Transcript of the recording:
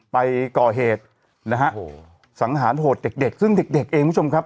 ไปก่อเหตุนะฮะโอ้โหสังหารโหดเด็กเด็กซึ่งเด็กเด็กเองคุณผู้ชมครับ